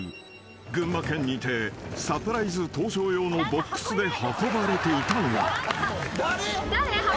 群馬県にてサプライズ登場用のボックスで運ばれていたのは］